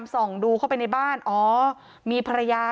ความปลอดภัยของนายอภิรักษ์และครอบครัวด้วยซ้ำ